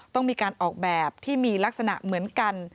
ต้องมีการออกแบบที่มีลักษณะเหมือนกัน